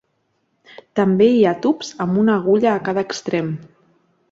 També hi ha tubs amb una agulla a cada extrem.